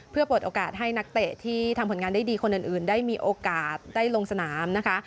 เพื่อเปิดโอกาสให้นักเตะที่ทำผลงานได้ดีคนอื่นได้มีโอกาสได้ลงสนามนะคะ